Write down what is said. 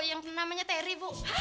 yang namanya terry bu